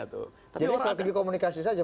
jadi strategi komunikasi saja